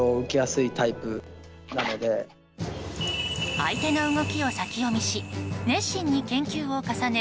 相手の動きを先読みし熱心に研究を重ね